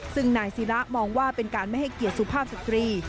ซึ่งนายศิระมองว่าเป็นการไม่ให้เกียรติสุภาพสตรี